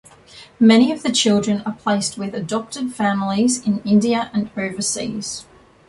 Many of the children are placed with adoptive families in India and overseas.